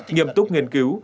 nghiêm túc nghiên cứu